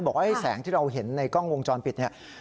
ไอ้แสงที่เราเห็นในกล้องวงจรปิดเนี่ย